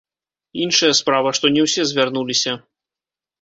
Іншая справа, што не ўсе звярнуліся.